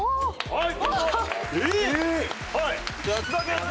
はい。